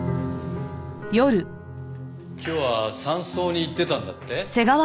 今日は山荘に行ってたんだって？